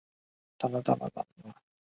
她背上都是严重的伤痕